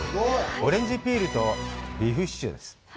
オレンジピールとビーフシチューです。